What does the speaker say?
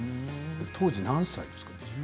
当時何歳ですか？